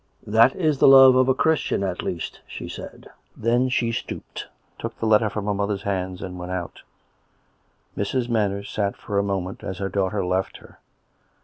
" That is the love of a Christian, at least," srhe said. Then she stooped, took the letter from her mother's knees, and went out. Mrs. Manners sat for a moment as her daughter left her.